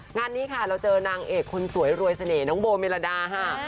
งานนี้ค่ะเราเจอนางเอกคนสวยรวยเสน่ห์น้องโบเมลดาค่ะ